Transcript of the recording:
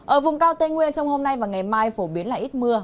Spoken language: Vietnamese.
ở vùng cao tây nguyên trong hôm nay và ngày mai phổ biến là ít mưa